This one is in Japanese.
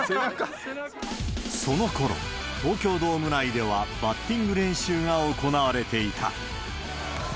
そのころ、東京ドーム内ではバッティング練習が行われていた。